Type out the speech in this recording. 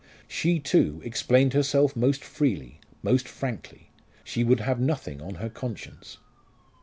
She, too, explained herself most freely, most frankly. She would have nothing on her conscience.